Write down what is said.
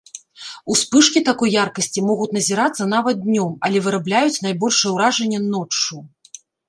Успышкі такой яркасці могуць назірацца нават днём, але вырабляюць найбольшае уражанне ноччу.